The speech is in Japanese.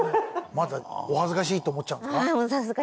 まだお恥ずかしいと思っちゃうんですか？